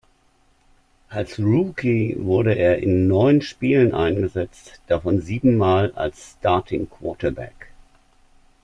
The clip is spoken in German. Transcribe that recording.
Als Rookie wurde er in neun Spielen eingesetzt, davon siebenmal als Starting-Quarterback.